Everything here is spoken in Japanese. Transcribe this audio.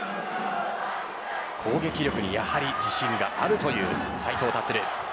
攻撃力にやはり自信があるという斉藤立。